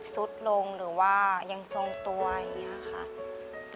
สุดลงหรือว่ายังทรงตัวอย่างนี้ค่ะ